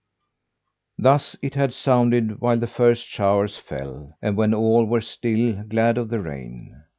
Thus it had sounded while the first showers fell, and when all were still glad of the rain.